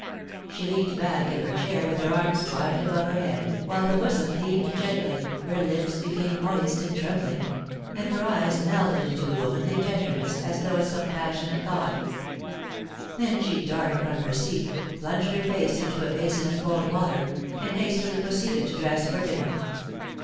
She leaned back in her chair with her arms twined above her head, while her bosom heaved gently, her lips became moist and trembling, and her eyes melted into womanly tenderness, as though at some passionate thought Then she darted from her seat, plunged her face into a basin of cold water, and hastily proceeded to dress for dinner.